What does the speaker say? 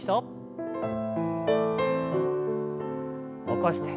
起こして。